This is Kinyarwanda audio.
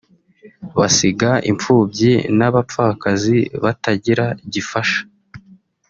basiga imfubyi nabapfakazi batagira gifasha